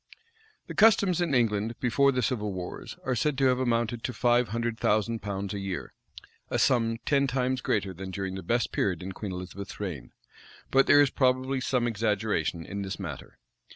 The customs in England, before the civil wars, are said to have amounted to five hundred thousand pounds a year;[] a sum ten times greater than during the best period in Queen Elizabeth's reign: but there is probably some exaggeration in this matter.